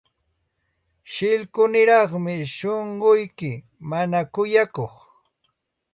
Shillkuniraqmi shunquyki, mana kuyakuq.